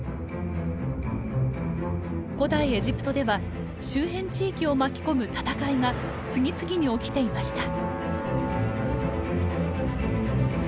古代エジプトでは周辺地域を巻き込む戦いが次々に起きていました。